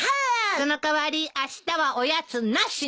その代わりあしたはおやつなしね。